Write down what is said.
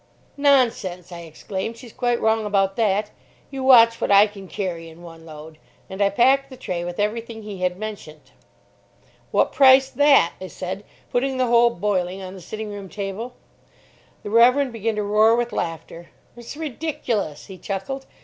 "Nonsense," I exclaimed, "she's quite wrong about that. You watch what I can carry in one load." And I packed the tray with everything he had mentioned. "What price that?" I said, putting the whole boiling on the sitting room table. The Reverend began to roar with laughter. "It's ridiculous," he chuckled.